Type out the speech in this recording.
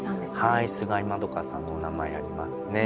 はい菅井円加さんのお名前ありますね。